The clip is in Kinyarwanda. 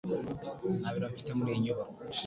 Nta biro mfite muri iyi nyubako.